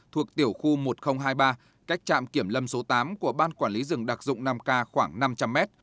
thuộc tiểu khu một nghìn hai mươi ba cách trạm kiểm lâm số tám của ban quản lý rừng đặc dụng nam ca khoảng năm trăm linh mét